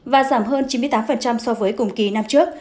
và giảm hơn chín mươi tám so với cùng kỳ năm trước